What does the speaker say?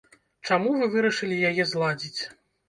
Чаму вы вырашылі яе зладзіць?